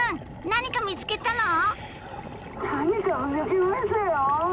何か見つけたの？